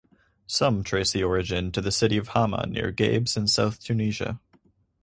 Some trace the origin to the City of Hamma near Gabes in South Tunisia.